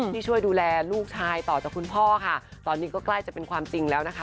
ที่ช่วยดูแลลูกชายต่อจากคุณพ่อค่ะตอนนี้ก็ใกล้จะเป็นความจริงแล้วนะคะ